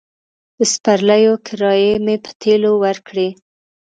د سپرليو کرايې مې په تيلو ورکړې.